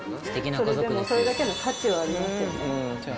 それでもそれだけの価値はありますよね。